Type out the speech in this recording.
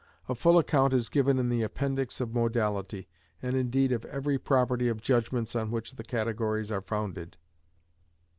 A full account is given in the Appendix of "Modality," and indeed of every property of judgments on which the categories are founded.